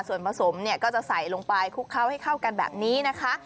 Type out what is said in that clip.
ส่วนผสมเนี่ยก็จะใส่ลงไปคลุกเคล้าให้เข้ากันแบบนี้นะคะ